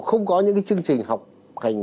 không có những chương trình học hành